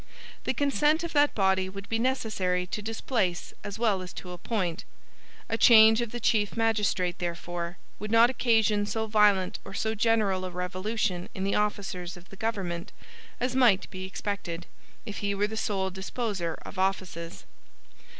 The consent of that body would be necessary to displace as well as to appoint. A change of the Chief Magistrate, therefore, would not occasion so violent or so general a revolution in the officers of the government as might be expected, if he were the sole disposer of offices.